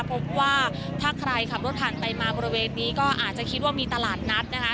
พบว่าถ้าใครขับรถผ่านไปมาบริเวณนี้ก็อาจจะคิดว่ามีตลาดนัดนะคะ